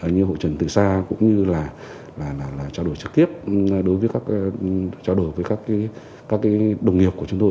như hội trần từ xa cũng như là trao đổi trực tiếp đối với các đồng nghiệp của chúng tôi